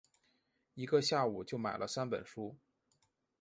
一个下午就买了三本书